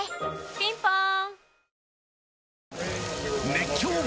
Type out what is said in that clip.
ピンポーン